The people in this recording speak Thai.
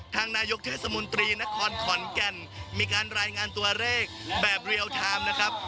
ทางนายกเทศมนตรีนครขอนแก่นมีการรายงานตัวเลขแบบเรียลไทม์นะครับ